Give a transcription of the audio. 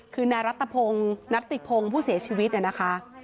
คือนายรัตติพงค์ผู้เสียชีวิตเนี่ยนะคะ